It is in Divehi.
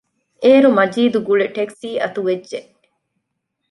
އޭރު މަޖީދު ގުޅި ޓެކްސީ އަތުވެއްޖެ